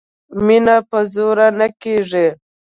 مینه په زور نه کېږي